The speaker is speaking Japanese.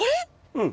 うん。